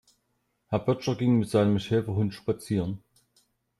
Herr Böttcher ging mit seinem Schäferhund spazieren.